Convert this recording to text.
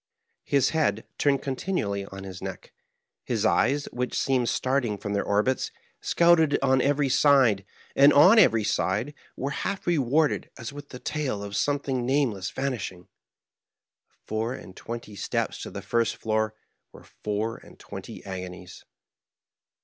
His head turned continually on his neck ; his eyes, which seemed starting from their orbits, scouted on every side, and on every side were half rewarded as with the tail of something nameless vanishing. The four and twenty steps to the first floor were four and twenty agonies.